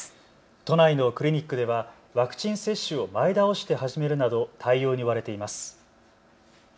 都内のクリニックではワクチン接種を前倒して始めるなど対応に追われています。